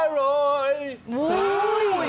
อร่อย